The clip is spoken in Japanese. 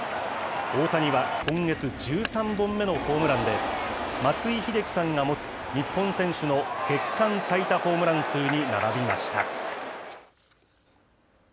大谷は今月１３本目のホームランで、松井秀喜さんが持つ日本選手の月間最多ホームラン数に並びました。